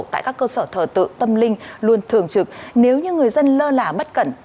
tại các cơ sở thờ tự tâm linh luôn thường trực nếu như người dân lơ là bất cẩn